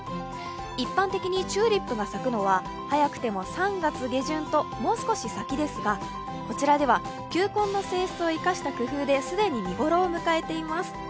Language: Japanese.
一般的にチューリップが咲くのは、早くても３月下旬ともう少し先ですが、こちらでは球根の性質を生かした工夫で既に見頃を迎えています。